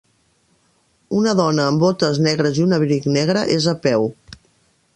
Una dona amb botes negres i un abric negre és a peu.